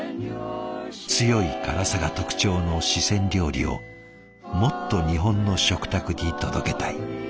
強い辛さが特徴の四川料理をもっと日本の食卓に届けたい。